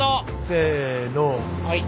せの。